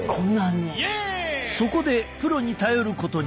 そこでプロに頼ることに。